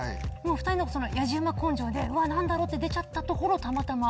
２人のやじ馬根性で「うわ何だろ？」って出ちゃったところたまたま。